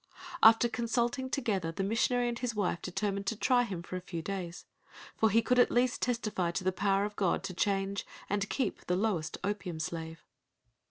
After consulting together the missionary and his wife determined to try him for a few days—for he could at least testify to the power of God to change and keep the lowest opium slave.